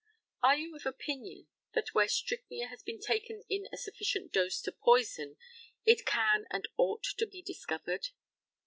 Are you of opinion that where strychnia has been taken in a sufficient dose to poison it can and ought to be discovered?